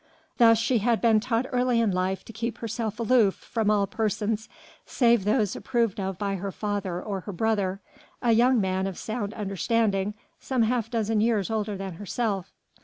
Thus she had been taught early in life to keep herself aloof from all persons save those approved of by her father or her brother a young man of sound understanding, some half dozen years older than herself.